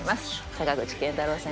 坂口健太郎さん